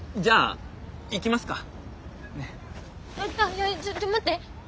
いやちょっと待って。